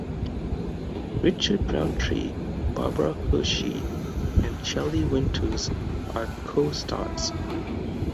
Richard Roundtree, Barbara Hershey and Shelley Winters are co-stars.